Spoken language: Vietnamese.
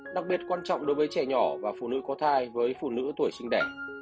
đặc biệt quan trọng đối với trẻ nhỏ và phụ nữ có thai với phụ nữ tuổi sinh đẻ